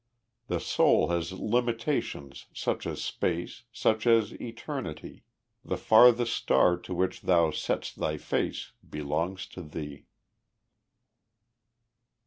The soul has limitations such as space, Such as eternity; The farthest star to which thou setst thy face Belongs to thee.